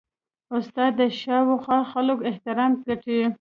استاد د شاوخوا خلکو احترام ګټي.